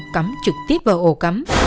cắm trực tiếp vào ổ cắm